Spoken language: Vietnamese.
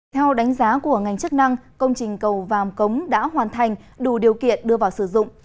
theo đánh giá của ngành chức năng công trình cầu vàm cống đã hoàn thành đủ điều kiện đưa vào sử dụng